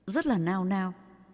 rất là nao nao